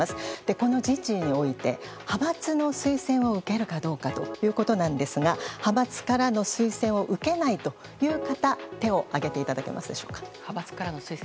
この人事において派閥の推薦を受けるかどうかということなんですが派閥からの推薦を受けないという方手を上げていただけますでしょうか？